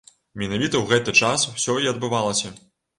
Менавіта ў гэты час усё і адбывалася.